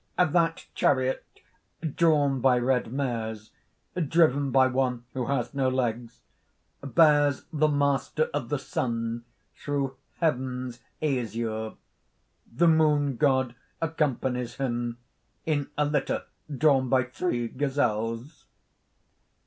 "That chariot drawn by red mares, driven by one who has no legs, bears the master of the sun through heaven's azure. The moon god accompanies him, in a litter drawn by three gazelles.